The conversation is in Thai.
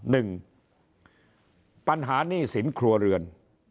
หนึ่งปัญหาหนี้สินครัวเรือน